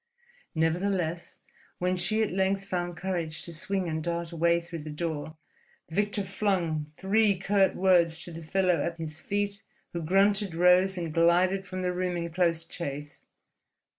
Nevertheless, when she at length found courage to swing and dart away through the door, Victor flung three curt words to the fellow at his feet, who grunted, rose, and glided from the room in close chase.